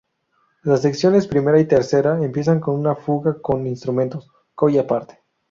Las secciones primera y tercera empiezan con una fuga con instrumentos "colla parte".